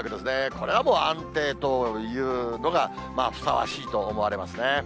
これはもう、安定というのがふさわしいと思われますね。